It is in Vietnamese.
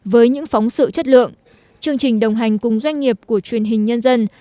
với những phóng sự chất lượng chương trình đồng hành cùng doanh nghiệp của truyền hình nhân dân